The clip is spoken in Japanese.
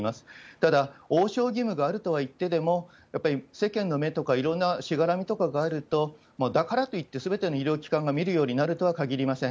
ただ、応召義務があるとはいってでも、やっぱり世間の目とか、いろんなしがらみとかがあると、だからといってすべての医療機関が診るようになるとは限りません。